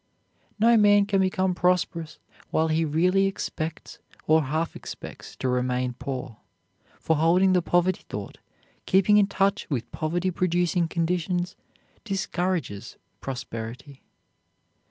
No man can become prosperous while he really expects or half expects to remain poor, for holding the poverty thought, keeping in touch with poverty producing conditions, discourages prosperity.